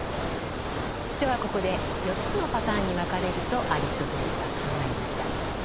人はここで４つのパターンに分かれるとアリストテレスは考えました。